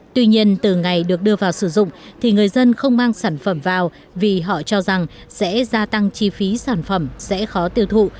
tuy nhiên từ ngày được đưa vào sử dụng thì người dân không mang sản phẩm vào vì họ cho rằng sẽ gia tăng chi phí sản phẩm sẽ khó tiêu thụ